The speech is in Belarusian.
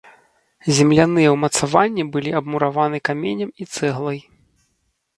Земляныя ўмацаванні былі абмураваны каменем і цэглай.